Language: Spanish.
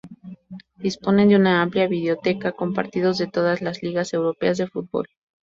Disponen de una amplia videoteca compartidos de todas las ligas europeas de fútbol.